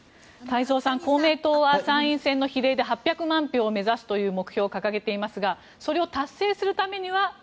太蔵さん公明党は参院選の比例で８００万票を目指すという目標を掲げていますがそれを達成するためには